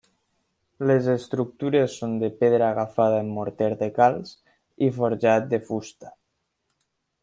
Les estructures són de pedra agafada amb morter de calç i forjat de fusta.